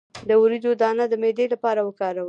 د وریجو دانه د معدې لپاره وکاروئ